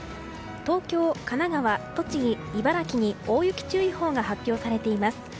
東京、神奈川、栃木、茨城に大雪注意報が発表されています。